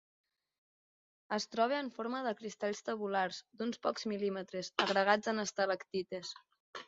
Es troba en forma de cristalls tabulars, d'uns pocs mil·límetres, agregats en estalactites.